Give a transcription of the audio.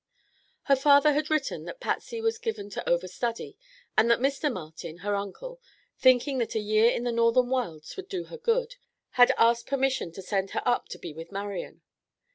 Her father had written that Patsy was given to over study, and that Mr. Martin, her uncle, thinking that a year in the northern wilds would do her good, had asked permission to send her up to be with Marian.